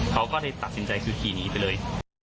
เขาก็เลยตัดสินใจคือขี่หนีไปเลย